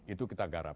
itu kita garap